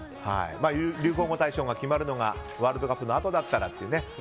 流行語大賞が決まるのがワールドカップのあとだったらっていうね。